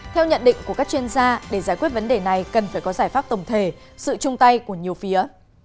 theo nhận định của các chuyên gia để giải quyết vấn đề này cần phải có giải pháp tổng thể sự chung tay của nhiều phía